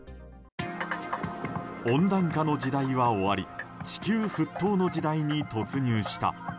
温暖化の時代は終わり地球沸騰の時代に突入した。